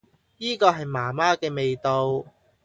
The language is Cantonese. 依個係媽媽嘅味道